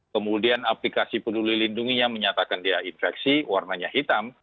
kemudian aplikasi peduli lindunginya menyatakan dia infeksi warnanya hitam